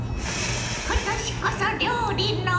今年こそ料理の。